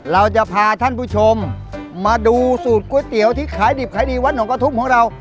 เราจะพาท่านผู้ชมมาดูสูตรก๋วยเตี๋ยวที่ขายดิบขายดีวัดหนองกระทุ่มของเรา